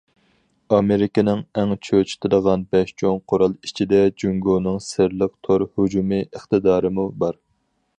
ئامېرىكىنى ئەڭ چۆچۈتىدىغان بەش چوڭ قورال ئىچىدە جۇڭگونىڭ سىرلىق تور ھۇجۇمى ئىقتىدارىمۇ بار.